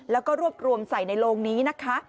แล้วก็รวบรวมใส่ในโลงนี้นะคะ